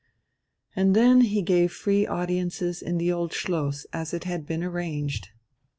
And then he gave free audiences in the Old Schloss, as it had been arranged.